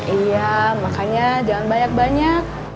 iya makanya jangan banyak banyak